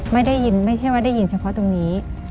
ไม่ได้ยินไม่ใช่ว่าได้ยินเฉพาะตรงนี้